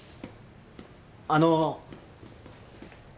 あの。